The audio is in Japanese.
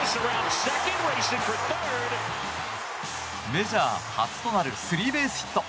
メジャー初となるスリーベースヒット。